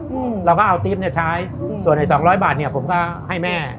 อืมเราก็เอาติ๊บเนี้ยใช้อืมส่วนไอ้สองร้อยบาทเนี้ยผมก็ให้แม่